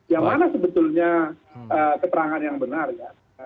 yang mana sebetulnya keterangan yang benar ya